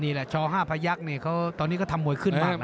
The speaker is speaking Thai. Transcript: นี่แหละช๕พระยักษมณ์เนี่ยเขาตอนนี้จะทำมวยขึ้นมาก